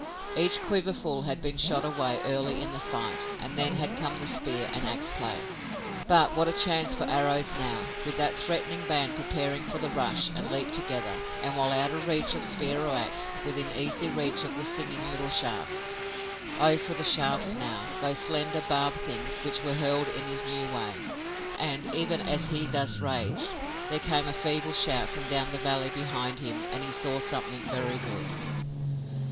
Each quiverful had been shot away early in the fight and then had come the spear and ax play. But what a chance for arrows now, with that threatening band preparing for the rush and leap together, and, while out of reach of spear or ax, within easy reach of the singing little shafts! Oh, for the shafts now, those slender barbed things which were hurled in his new way! And, even as he thus raged, there came a feeble shout from down the valley behind him and he saw something very good!